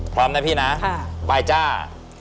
พร้อมนะพี่นะไปจ้าค่ะค่ะ